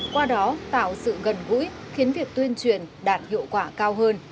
qua đó tạo sự gần gũi khiến việc tuyên truyền đạt hiệu quả cao hơn